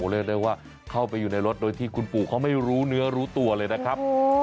เรียกได้ว่าเข้าไปอยู่ในรถโดยที่คุณปู่เขาไม่รู้เนื้อรู้ตัวเลยนะครับ